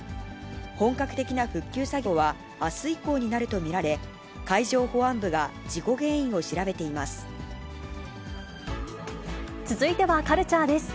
本格的な復旧作業はあす以降になると見られ、海上保安部が事故原続いてはカルチャーです。